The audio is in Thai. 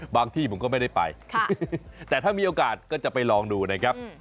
ที่ผมก็ไม่ได้ไปแต่ถ้ามีโอกาสก็จะไปลองดูนะครับ